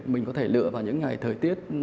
mình có thể lựa vào những ngày thời tiết